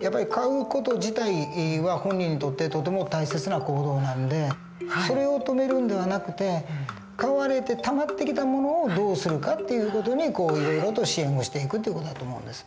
やっぱり買う事自体は本人にとってとても大切な行動なんでそれを止めるんではなくて買われてたまってきたものをどうするかっていう事にいろいろと支援をしていく事だと思うんです。